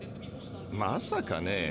まさかね。